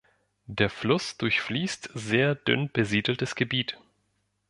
Der Fluss durchfließt sehr dünn besiedeltes Gebiet.